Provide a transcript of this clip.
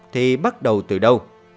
thì bắt đầu từ đâu